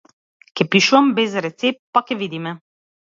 Ќе пишувам без рецепт, па ќе видиме.